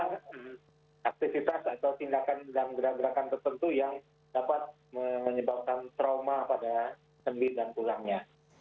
dan juga untuk aktivitas atau tindakan dan gerakan tertentu yang dapat menyebabkan trauma pada sendi dan tulangnya